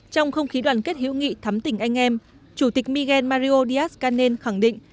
trong không khí đoàn kết hữu nghị thắm tỉnh anh em chủ tịch miguel mario díaz canel khẳng định